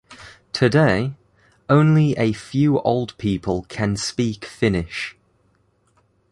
Today, only a few old people can speak Finnish.